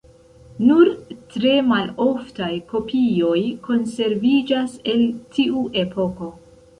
Nur tre maloftaj kopioj konserviĝas el tiu epoko.